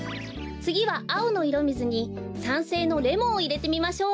つぎはあおのいろみずに酸性のレモンをいれてみましょう。